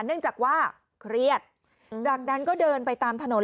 เนื่องจากว่าเครียดจากนั้นก็เดินไปตามถนน